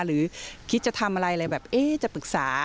หรือคิดจะทำอะไรเลยแบบเอ๊ะจะปรึกษา